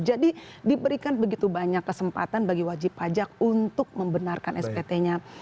jadi diberikan begitu banyak kesempatan bagi wajib pajak untuk membenarkan spt nya